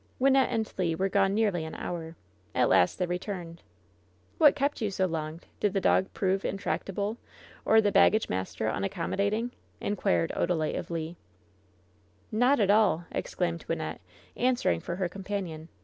Wynnette and Le were gone nearly an hour. At last they returned. "What kept you so long ? Did the dog prove intract able, or the baggage master unaccommodating?" in quired Odalite of Le. "Not at all !" exclaimed Wynnette, answering for her companion.